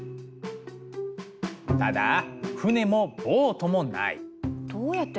ただ船もボートもない。